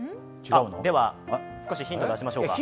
少しヒント出しましょうか。